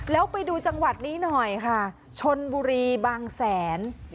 แล้วไปดูจังหวัดนี้หน่อยค่ะชนบุรีบางแสน